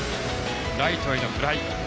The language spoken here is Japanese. ライトへのフライ。